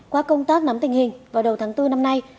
qua công tác nắm tình hình vào đầu tháng bốn năm nay